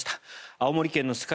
青森県の酸ケ